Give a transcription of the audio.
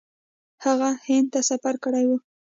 هغه هند ته سفر کړی و.